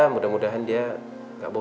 mudah mudahan dia gak bosen lah di rumah